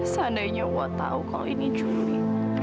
seandainya wak tau kalau ini juli